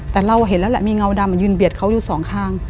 แต่เราเห็นแล้วแหละมีเงาดำยืนเบียดเขาอยู่สองข้าง